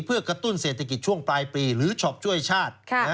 เพื่อกระตุ้นเศรษฐกิจช่วงปลายปีหรือช็อปช่วยชาติ